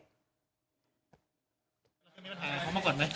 อ๋อตัดจริงครับ